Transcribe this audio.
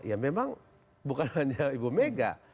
ya memang bukan hanya ibu mega